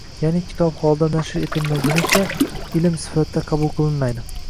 ya’ni kitob holida nashr etilmagunicha ilm sifatida qabul qilinmaydi.